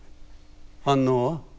反応は？